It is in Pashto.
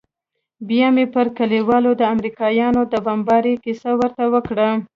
بيا مې پر كليوالو د امريکايانو د بمبارۍ كيسه ورته وكړه.